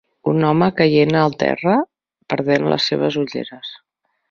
Un home caient al terra, perdent les seves ulleres.